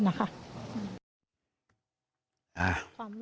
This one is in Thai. รูปภัย